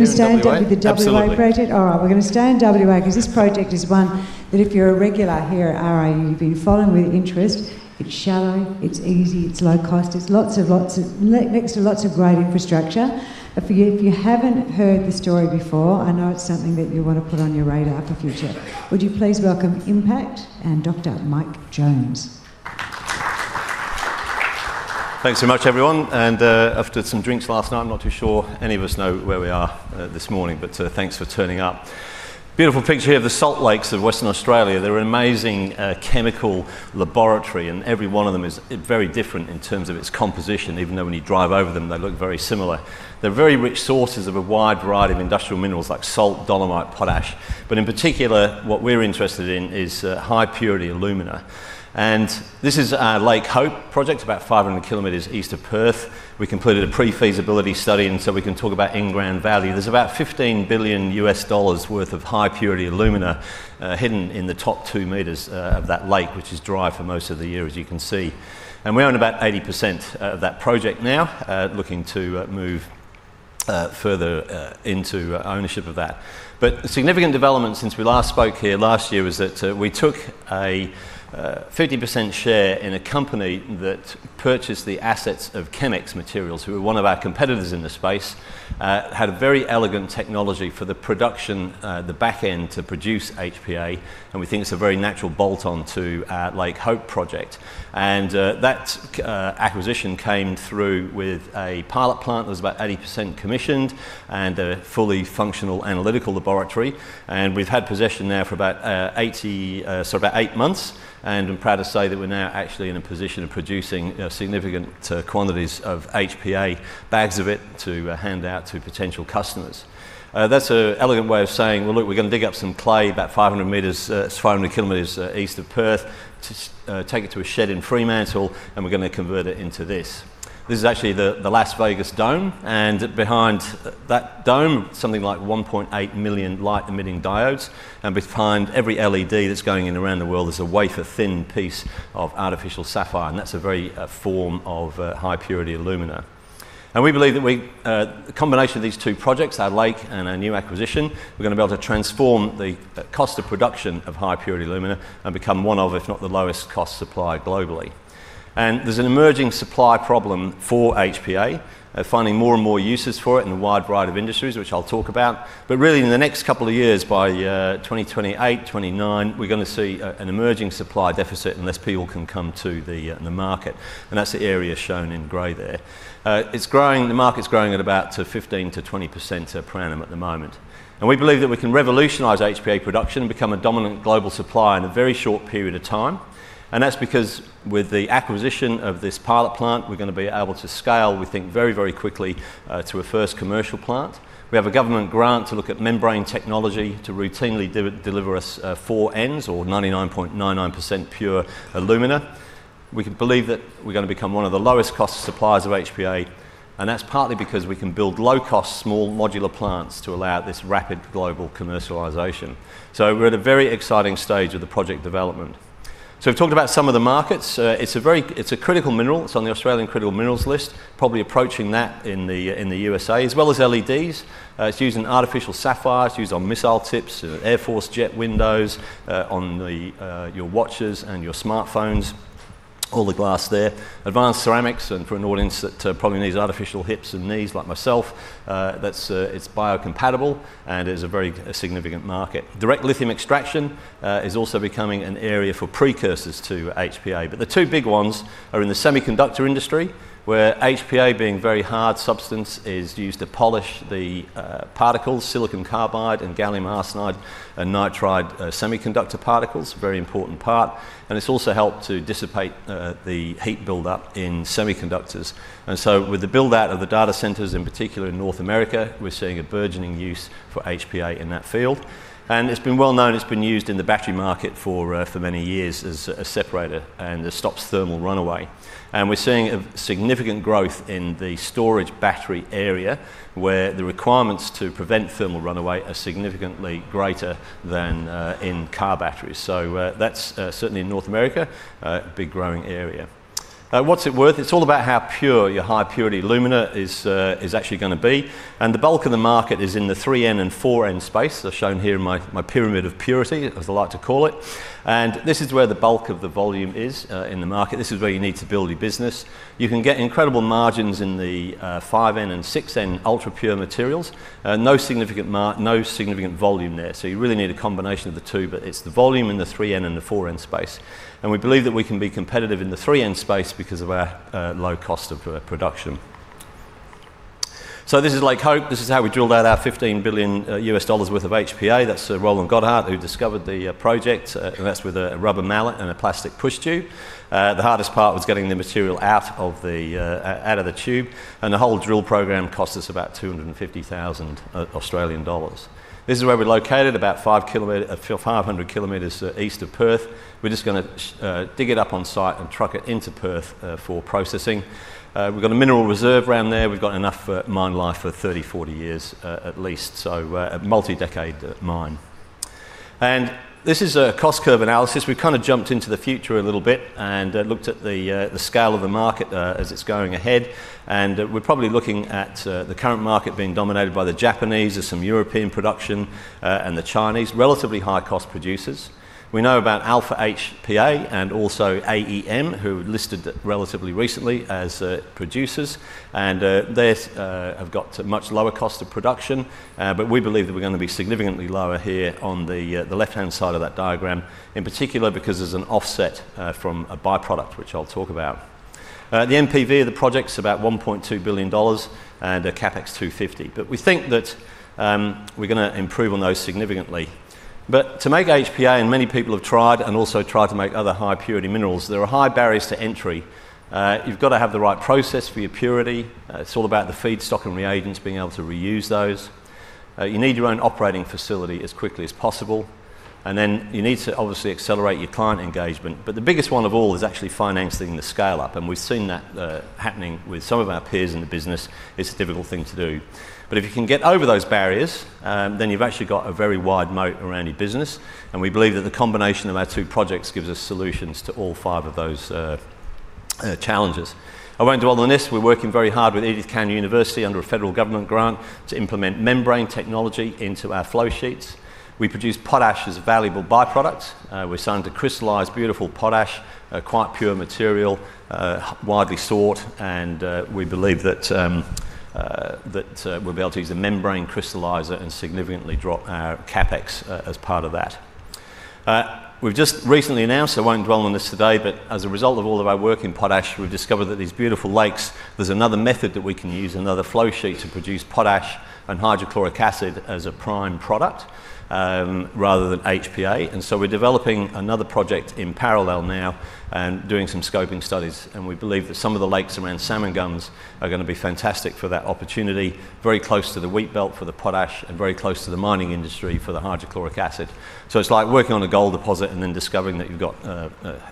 We're going to stay in WA, the WA project? Absolutely. All right, we're going to stay in WA, because this project is one that if you're a regular here at RIU, you've been following with interest. It's shallow, it's easy, it's low cost, it's next to lots of great infrastructure. But if you haven't heard the story before, I know it's something that you want to put on your radar for future. Would you please welcome Impact and Dr. Mike Jones? Thanks so much, everyone, and after some drinks last night, I'm not too sure any of us know where we are this morning, but thanks for turning up. Beautiful picture here of the salt lakes of Western Australia. They're an amazing chemical laboratory, and every one of them is very different in terms of its composition, even though when you drive over them, they look very similar. They're very rich sources of a wide variety of industrial minerals like salt, dolomite, potash, but in particular, what we're interested in is high-purity alumina. And this is our Lake Hope project, about 500 km east of Perth. We completed a pre-feasibility study, and so we can talk about in-ground value. There's about $15 billion worth of high-purity alumina hidden in the top 2 m of that lake, which is dry for most of the year, as you can see. We own about 80% of that project now, looking to move further into ownership of that. A significant development since we last spoke here last year was that we took a 50% share in a company that purchased the assets of ChemX Materials, who were one of our competitors in the space, had a very elegant technology for the production, the back end to produce HPA, and we think it's a very natural bolt-on to our Lake Hope project. That acquisition came through with a pilot plant that was about 80% commissioned and a fully functional analytical laboratory, and we've had possession now for about eight months, and I'm proud to say that we're now actually in a position of producing significant quantities of HPA, bags of it to hand out to potential customers. That's a elegant way of saying, "Well, look, we're going to dig up some clay about 500 km east of Perth, to take it to a shed in Fremantle, and we're going to convert it into this." This is actually the Las Vegas Sphere, and behind that Sphere, something like 1.8 million light-emitting diodes, and behind every LED that's going in around the world is a wafer-thin piece of artificial sapphire, and that's a very form of high-purity alumina. We believe that the combination of these two projects, our lake and our new acquisition, we're going to be able to transform the cost of production of high-purity alumina and become one of, if not the lowest cost supplier globally. There's an emerging supply problem for HPA. They're finding more and more uses for it in a wide variety of industries, which I'll talk about. But really, in the next couple of years, by 2028, 2029, we're going to see an emerging supply deficit unless people can come to the market, and that's the area shown in gray there. It's growing, the market's growing at about fifteen to twenty percent per annum at the moment. And we believe that we can revolutionize HPA production and become a dominant global supplier in a very short period of time, and that's because with the acquisition of this pilot plant, we're going to be able to scale, we think, very, very quickly to a first commercial plant. We have a government grant to look at membrane technology to routinely deliver us 4N or 99.99% pure alumina. We believe that we're going to become one of the lowest cost suppliers of HPA, and that's partly because we can build low-cost, small modular plants to allow this rapid global commercialization. So we're at a very exciting stage of the project development. So we've talked about some of the markets. It's a very critical mineral. It's on the Australian Critical Minerals list, probably approaching that in the USA, as well as LEDs. It's used in artificial sapphires, it's used on missile tips, Air Force jet windows, on your watches and your smartphones, all the glass there. Advanced ceramics, and for an audience that probably needs artificial hips and knees like myself, that's, it's biocompatible and is a very significant market. Direct lithium extraction is also becoming an area for precursors to HPA. But the two big ones are in the semiconductor industry, where HPA, being a very hard substance, is used to polish the particles, silicon carbide and gallium arsenide and nitride semiconductor particles, a very important part, and it's also helped to dissipate the heat buildup in semiconductors. And so with the build-out of the data centers, in particular in North America, we're seeing a burgeoning use for HPA in that field. And it's been well known, it's been used in the battery market for many years as a separator, and this stops thermal runaway. We're seeing a significant growth in the storage battery area, where the requirements to prevent thermal runaway are significantly greater than in car batteries. So that's certainly in North America a big growing area. What's it worth? It's all about how pure your high-purity alumina is actually going to be. The bulk of the market is in the 3N and 4N space, as shown here in my pyramid of purity, as I like to call it. This is where the bulk of the volume is in the market. This is where you need to build your business. You can get incredible margins in the 5N and 6N ultrapure materials, no significant volume there, so you really need a combination of the two, but it's the volume in the 3N and 4N space. We believe that we can be competitive in the 3N space because of our low cost of production. So this is Lake Hope. This is how we drilled out our $15 billion worth of HPA. That's Roland Gotthard, who discovered the project, and that's with a rubber mallet and a plastic push tube. The hardest part was getting the material out of the tube, and the whole drill program cost us about 250,000 Australian dollars. This is where we're located, about 500 km east of Perth. We're just gonna dig it up on-site and truck it into Perth for processing. We've got a mineral reserve around there. We've got enough mine life for 30-40 years at least, so a multi-decade mine. This is a cost curve analysis. We've kind of jumped into the future a little bit and looked at the scale of the market as it's going ahead, and we're probably looking at the current market being dominated by the Japanese. There's some European production, and the Chinese, relatively high-cost producers. We know about Alpha HPA and also AEM, who listed relatively recently as producers, and they've got a much lower cost of production, but we believe that we're going to be significantly lower here on the left-hand side of that diagram, in particular, because there's an offset from a by-product, which I'll talk about. The NPV of the project's about 1.2 billion dollars and a CapEx 250 million, but we think that we're gonna improve on those significantly. But to make HPA, and many people have tried and also tried to make other high-purity minerals, there are high barriers to entry. You've got to have the right process for your purity. It's all about the feedstock and reagents, being able to reuse those. You need your own operating facility as quickly as possible, and then you need to, obviously, accelerate your client engagement. But the biggest one of all is actually financing the scale-up, and we've seen that happening with some of our peers in the business. It's a difficult thing to do. But if you can get over those barriers, then you've actually got a very wide moat around your business, and we believe that the combination of our two projects gives us solutions to all five of those challenges. I won't dwell on this. We're working very hard with Edith Cowan University under a federal government grant to implement membrane technology into our flow sheets. We produce potash as a valuable by-product. We're starting to crystallize beautiful potash, a quite pure material, widely sought, and we believe that we'll be able to use a membrane crystallizer and significantly drop our CapEx, as part of that. We've just recently announced, I won't dwell on this today, but as a result of all of our work in potash, we've discovered that these beautiful lakes, there's another method that we can use, another flow sheet to produce potash and hydrochloric acid as a prime product, rather than HPA. And so we're developing another project in parallel now and doing some scoping studies, and we believe that some of the lakes around Salmon Gums are gonna be fantastic for that opportunity, very close to the Wheatbelt for the potash and very close to the mining industry for the hydrochloric acid. So it's like working on a gold deposit and then discovering that you've got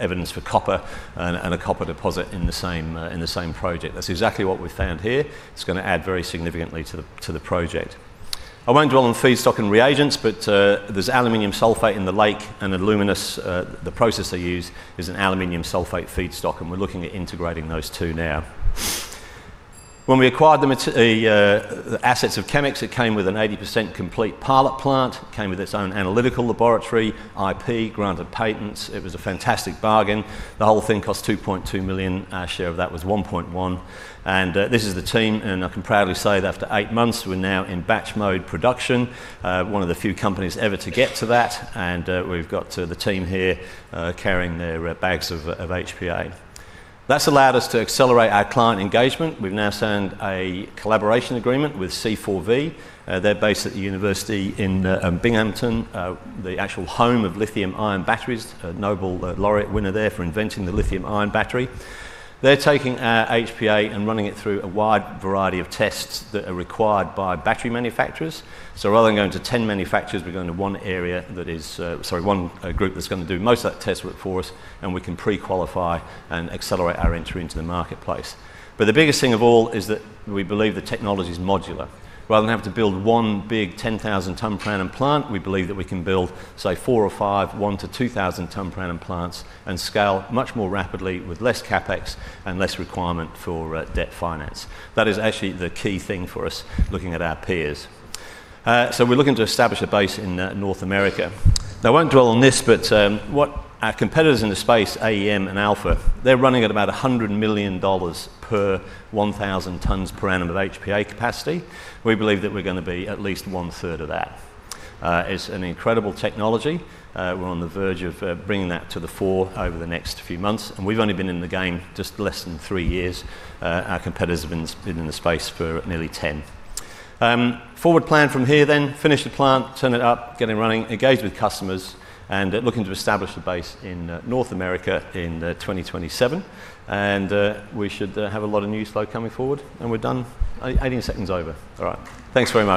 evidence for copper and a copper deposit in the same project. That's exactly what we found here. It's gonna add very significantly to the project. I won't dwell on feedstock and reagents, but there's aluminum sulfate in the lake, and the aluminous process they use is an aluminum sulfate feedstock, and we're looking at integrating those two now. When we acquired the assets of ChemX, it came with an 80% complete pilot plant, it came with its own analytical laboratory, IP, granted patents. It was a fantastic bargain. The whole thing cost 2.2 million. Our share of that was 1.1 million, and this is the team, and I can proudly say that after eight months, we're now in batch mode production, one of the few companies ever to get to that, and we've got the team here carrying their bags of HPA. That's allowed us to accelerate our client engagement. We've now signed a collaboration agreement with C4V. They're based at the university in Binghamton, the actual home of lithium-ion batteries, a Nobel laureate winner there for inventing the lithium-ion battery. They're taking our HPA and running it through a wide variety of tests that are required by battery manufacturers. Rather than going to 10 manufacturers, we're going to one area that is, sorry, one group that's gonna do most of that test work for us, and we can pre-qualify and accelerate our entry into the marketplace. But the biggest thing of all is that we believe the technology is modular. Rather than have to build one big 10,000 ton per annum plant, we believe that we can build, say, four or five, 1,000-2,000 ton per annum plants and scale much more rapidly with less CapEx and less requirement for, debt finance. That is actually the key thing for us, looking at our peers. So we're looking to establish a base in, North America. I won't dwell on this, but, what our competitors in the space, AEM and Alpha, they're running at about $100 million per 1,000 tons per annum of HPA capacity. We believe that we're gonna be at least one third of that. It's an incredible technology. We're on the verge of bringing that to the fore over the next few months, and we've only been in the game just less than three years. Our competitors have been in the space for nearly 10. Forward plan from here then, finish the plant, turn it up, get it running, engage with customers, and looking to establish a base in North America in 2027, and we should have a lot of news flow coming forward, and we're done. 18 seconds over. All right. Thanks very much.